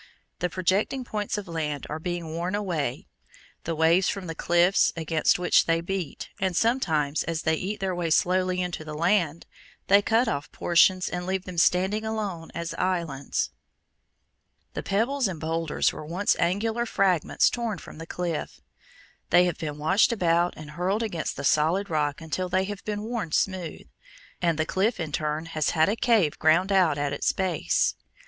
The projecting points of land are being worn away (Fig. 33). The waves form the cliffs against which they beat, and sometimes, as they eat their way slowly into the land, they cut off portions and leave them standing alone as islands. The pebbles and boulders (Fig. 34) were once angular fragments torn from the cliff. They have been washed about and hurled against the solid rock until they have been worn smooth; and the cliff in turn has had a cave ground out at its base.